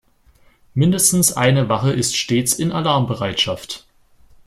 Mindestens eine Wache ist stets in Alarmbereitschaft.